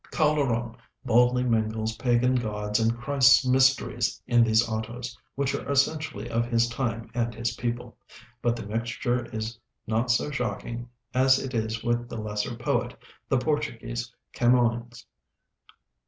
Calderon boldly mingles pagan gods and Christ's mysteries in these autos, which are essentially of his time and his people. But the mixture is not so shocking as it is with the lesser poet, the Portuguese Camoens.